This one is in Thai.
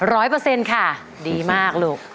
ร้อยเปอร์เซ็นต์ค่ะดีมากลูก